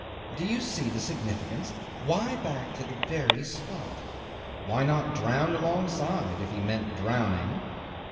Do you see the significance? Why back to the very spot? Why not drown alongside if he meant drowning?